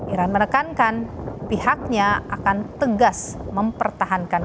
iran menekankan pihaknya akan tegas mempertahankan